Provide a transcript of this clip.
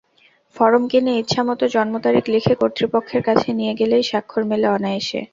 Form কিনে ইচ্ছামতো জন্মতারিখ লিখে কর্তৃপক্ষের কাছে নিয়ে গেলেই স্বাক্ষর মেলে অনায়াসে।